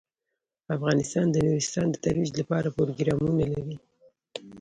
افغانستان د نورستان د ترویج لپاره پروګرامونه لري.